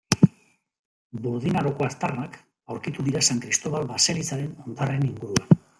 Burdin Aroko aztarnak aurkitu dira San Kristobal baselizaren hondarren inguruan.